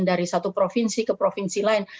dari satu provinsi ke provinsi lain